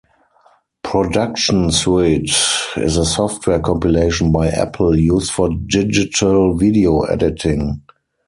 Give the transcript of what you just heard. Production Suite is a software compilation by Apple used for digital video editing.